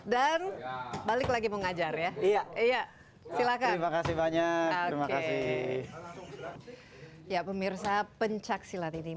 dan balik lagi mengajar ya iya iya silakan terima kasih banyak terima kasih ya pemirsa pencaksilat ini